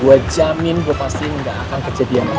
gue jamin gue pastiin gak akan terjadi apa apa